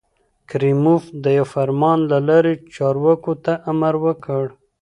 کریموف د یوه فرمان له لارې چارواکو ته امر وکړ.